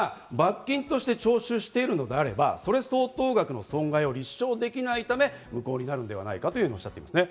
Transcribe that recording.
これが罰金として徴収しているのであれば、それ相当額の損害を立証できないため、無効になるのではないかとおっしゃっています。